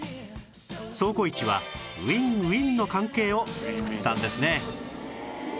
倉庫市はウィンウィンの関係を作ったんですね